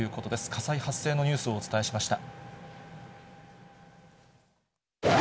火災発生のニュースをお伝えしました。